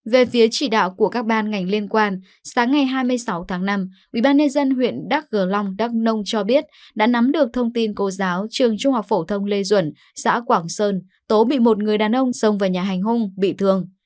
về phía chỉ đạo của các ban ngành liên quan sáng ngày hai mươi sáu tháng năm ubnd huyện đắk gờ long đắk nông cho biết đã nắm được thông tin cô giáo trường trung học phổ thông lê duẩn xã quảng sơn tố bị một người đàn ông xông vào nhà hành hung bị thương